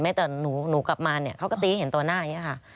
ตอนหนูกลับมาเนี่ยเขาก็ตีให้เห็นตัวหน้าอย่างนี้ค่ะ